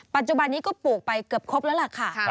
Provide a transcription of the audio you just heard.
ปัจจุบันนี้ก็ปลูกไปเกือบครบแล้วล่ะค่ะ